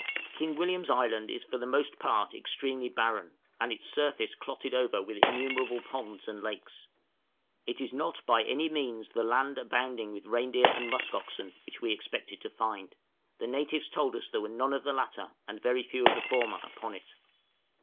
King William's Island is for the most part extremely barren, and its surface clotted over with innumerable ponds and lakes. It is not by any means the "land abounding with reindeer and musk oxen" which we expected to find: the natives told us there were none of the latter and very few of the former upon it.